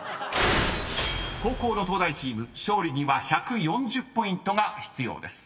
［後攻の東大チーム勝利には１４０ポイントが必要です］